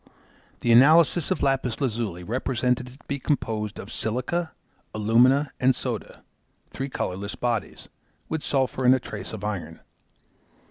The analysis of lapis lazuli represented it to be composed of silica, alumina, and soda, three colourless bodies, with sulphur and a trace of iron.